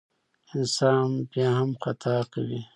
انسان بیا هم خطا کوي.